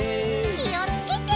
きをつけて。